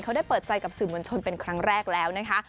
เขาได้เปิดใจกับสื่อมวลชนเป็นครั้งแรกแล้วนะคะ